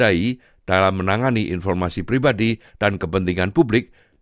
pemerintah juga memadai dalam menangani informasi pribadi dan kepentingan publik